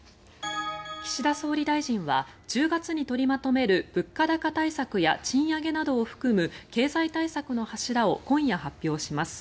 岸田総理大臣は１０月に取りまとめる物価高対策や賃上げなどを含む経済対策の柱を今夜発表します。